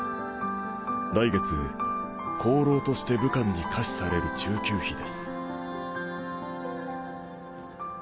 来月功労として武官に下賜される中級妃です。